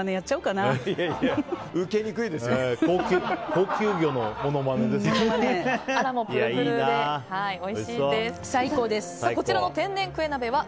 高級魚のものまねですね。